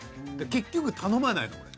結局頼まないのこれ。